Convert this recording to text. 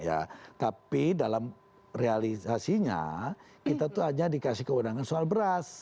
ya tapi dalam realisasinya kita itu hanya dikasih ke undangan soal beras